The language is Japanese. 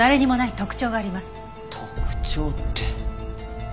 特徴って。